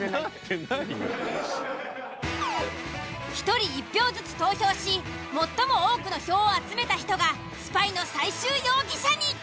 １人１票ずつ投票し最も多くの票を集めた人がスパイの最終容疑者に！